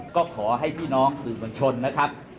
ก็ขอให้พี่น้องสื่อมวลชนนะครับ